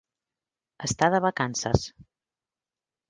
Està de vacances.